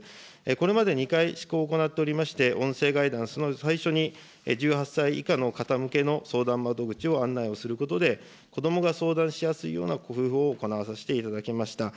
これまで２回施行を行っておりまして、音声ガイダンスの最初に１８歳以下の方向けの相談窓口を案内をすることで、子どもが相談しやすいような工夫を行わさせていただきました。